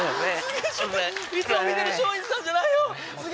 いつも見てる松陰寺さんじゃないよ。